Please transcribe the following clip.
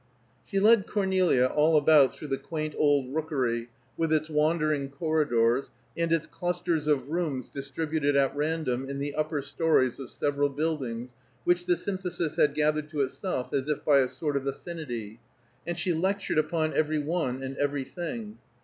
She led Cornelia all about through the quaint old rookery, with its wandering corridors, and its clusters of rooms distributed at random in the upper stories of several buildings which the Synthesis had gathered to itself as if by a sort of affinity, and she lectured upon every one and everything.